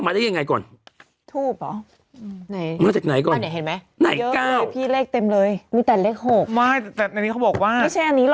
ไม่ใช่อันนี้หรอกไม่ใช่เลขจากตรงนี้